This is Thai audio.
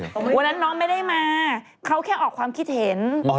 วันนั้นน้องไม่ได้มาเขาแค่ออกความคิดเห็น